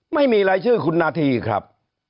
ไม่มีรายชื่อคุณนาธีครับ